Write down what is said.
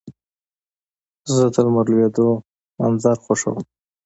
زه د لمر لوېدو منظر خوښوم.